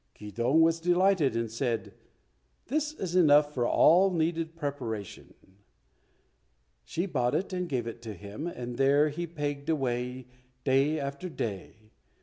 Keydong was delighted, and said, "This is enough for all needed preparation." She bought it and gave it to him, and there he pegged away day after day.